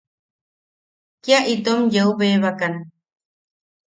Kia itom yeu bebakan.